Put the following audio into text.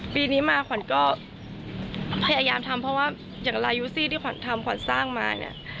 ปีนี้มาขวัญก็พยายามทำเพราะว่าอย่างลายูซี่ที่ขวัญทำขวัญสร้างมาเนี่ย